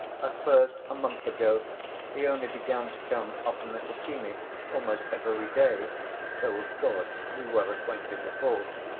At first—a month ago—he only began to come oftener to see me, almost every day; though, of course, we were acquainted before.